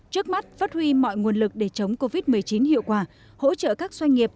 trước mắt phát huy mọi nguồn lực để chống covid một mươi chín hiệu quả hỗ trợ các doanh nghiệp